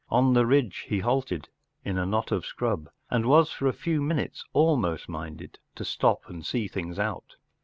On the ridge he halted in a knot of scrub, and was for a few minutes almost minded to stop and see things out.